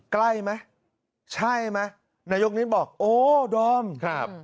ใกล้ไหมใช่ไหมนายกนิดบอกโอ้ดอมครับ